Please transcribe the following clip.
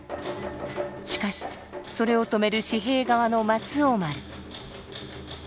しかしそれを止める時平側の松王丸。